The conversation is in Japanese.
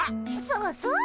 そうそう。